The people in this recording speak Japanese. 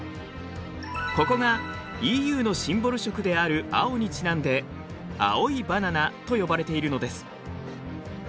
ここがＥＵのシンボル色である青にちなんで青いバナナと呼ばれているのです。